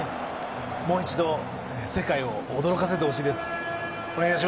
もう一度、世界を驚かせてほしいです。